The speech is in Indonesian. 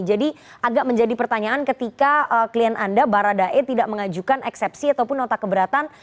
jadi agak menjadi pertanyaan ketika klien anda baradae tidak mengajukan eksepsi ataupun nota keberatan